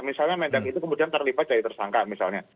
misalnya mendak itu kemudian terlibat jadi tersangka misalnya